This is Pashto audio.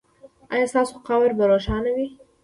ایا ستاسو قبر به روښانه وي؟